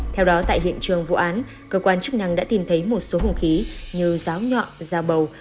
theo đó tại hiện trường vụ án cơ quan chức năng đã tìm thấy một số hồn khí như giáo nhọn dao bầu